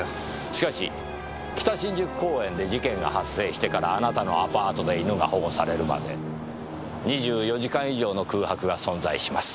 しかし北新宿公園で事件が発生してからあなたのアパートで犬が保護されるまで２４時間以上の空白が存在します。